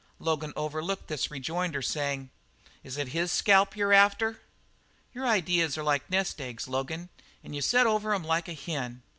Logan overlooked this rejoinder, saying: "Is it his scalp you're after?" "Your ideas are like nest eggs, Logan, an' you set over 'em like a hen.